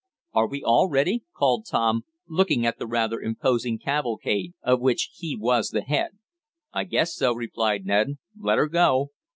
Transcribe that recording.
"Are we all ready?" called Tom, looking at the rather imposing cavalcade of which he was the head. "I guess so," replied Ned. "Let her go!"